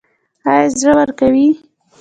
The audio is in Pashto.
ایا زړه ورکوئ؟